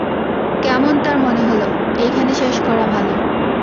কেমন তার মনে হল, এইখানে শেষ করা ভালো।